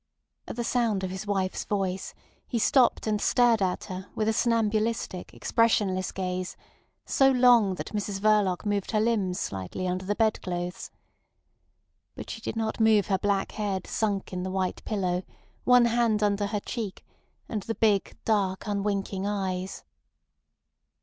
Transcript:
At the sound of his wife's voice he stopped and stared at her with a somnambulistic, expressionless gaze so long that Mrs Verloc moved her limbs slightly under the bed clothes. But she did not move her black head sunk in the white pillow one hand under her cheek and the big, dark, unwinking eyes.